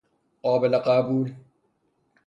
قابل قبول